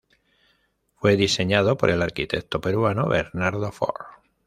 Fue diseñado por el arquitecto peruano Bernardo Fort.